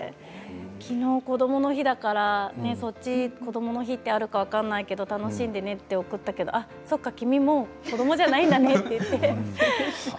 きのうこどもの日だからそっちこどもの日ってあるか分からないけど楽しんでいる？と送ったけどそうか、君もう子どもじゃないんだねと言って。